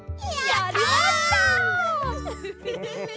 やりました！